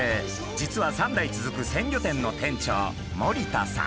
実は３代続く鮮魚店の店長森田さん。